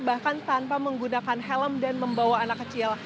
bahkan tanpa menggunakan helm dan membawa anak kecil